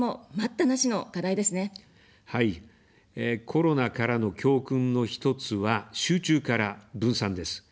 コロナからの教訓の一つは、集中から分散です。